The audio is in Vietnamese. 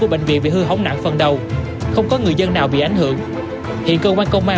bệnh viện bị hư hỏng nặng phần đầu không có người dân nào bị ảnh hưởng hiện cơ quan công an